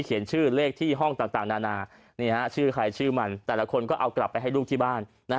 ชื่อเลขที่ห้องต่างนานาชื่อใครชื่อมันแต่ละคนก็เอากลับไปให้ลูกที่บ้าน